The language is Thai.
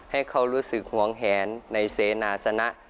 ให้เขารู้สึกหวงแหนในเสนาสนะ